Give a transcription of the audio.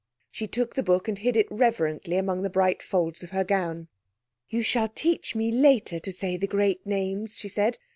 She took the book and hid it reverently among the bright folds of her gown. "You shall teach me later to say the great names," she said.